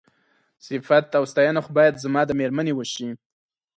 صيفت او ستاينه خو بايد زما د مېرمنې وشي.